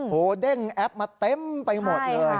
เด้งแอปมาเต็มไปหมดเลย